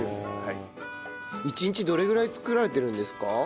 １日どれぐらい作られてるんですか？